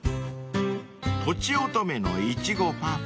［とちおとめのいちごパフェ］